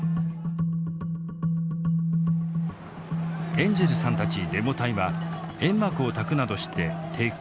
エンジェルさんたちデモ隊は煙幕をたくなどして抵抗。